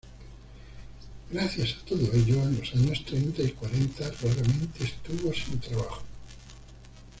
Gracias a todo ello, en los años treinta y cuarenta raramente estuvo sin trabajo.